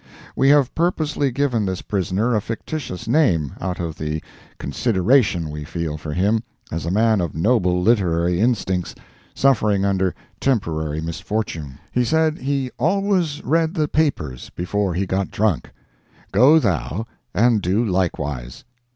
We have purposely given this prisoner a fictitious name, out of the consideration we feel for him as a man of noble literary instincts, suffering under temporary misfortune. He said he always read the papers before he got drunk; go thou and do likewise.